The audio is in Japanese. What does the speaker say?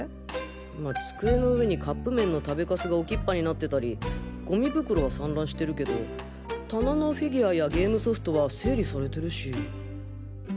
まあ机の上にカップ麺の食べカスが置きっぱになってたりゴミ袋が散乱してるけど棚のフィギュアやゲームソフトは整理されてるし。